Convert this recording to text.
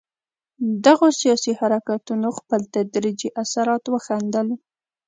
دغو سیاسي حرکتونو خپل تدریجي اثرات وښندل.